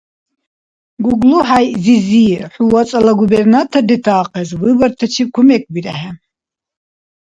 ГуглахӀяй-зизи, хӀу вацӀала губернатор ретаахъес выбортачиб кумекбирехӀе.